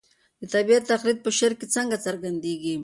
د طبیعت تقلید په شعر کې څنګه څرګندېږي؟